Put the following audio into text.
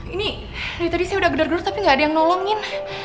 ini dari tadi saya udah gedor gedor tapi nggak ada yang nolongin